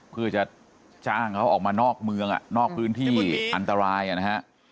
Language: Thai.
เพื่อจะจ้างเขาออกมานอกเมืองนอกพื้นที่อันตรายนะฮะ